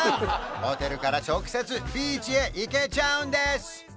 ホテルから直接ビーチへ行けちゃうんです！